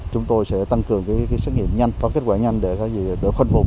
chúng tôi sẽ tăng cường xét nghiệm nhanh có kết quả nhanh để khuân phục